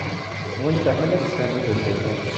Win ifehmen ad issefhem wid ur nefhim ara.